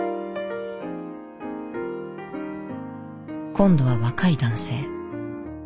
今度は若い男性。